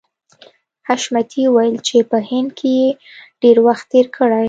حشمتي وویل چې په هند کې یې ډېر وخت تېر کړی